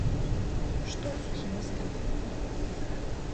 Што ў сухім астатку?